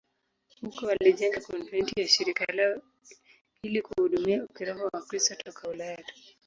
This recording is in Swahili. Huko walijenga konventi ya shirika lao ili kuhudumia kiroho Wakristo toka Ulaya tu.